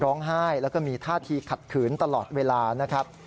ร้องไห้แล้วก็มีท่าทีขัดขืนตลอดเวลานะครับ